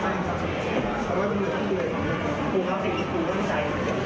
ยังไม่มีฝ่ายกล้องในมือครับแต่ว่าก็บอกว่ายังไม่มีฝ่ายกล้อง